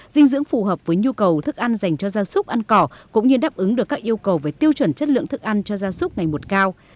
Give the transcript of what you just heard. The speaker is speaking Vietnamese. dinh dưỡng phù hợp với nhu cầu thức ăn dành cho gia súc ăn cỏ cũng như đáp ứng được các yêu cầu về tiêu chuẩn chất lượng thức ăn cho gia súc ngày một cao